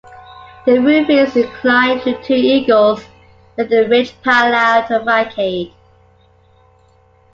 The roofing is inclined to two eagles with the ridge parallel to the facade.